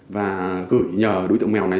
và gửi nhờ đối tượng mèo này